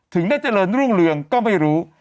ถึงได้เจริญรุ่งเรืองก็ไม่รู้